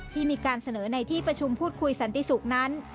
ที่มีการเสนอในที่ประชุมพูดคุยสันติสุขนั้น